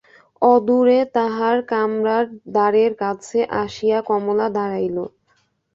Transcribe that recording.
অদূরে তাহার কামরার দ্বারের কাছে আসিয়া কমলা দাঁড়াইল।